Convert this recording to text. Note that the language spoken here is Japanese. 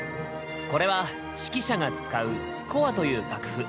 これは指揮者が使う「スコア」という楽譜。